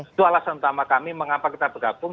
itu alasan utama kami mengapa kita bergabung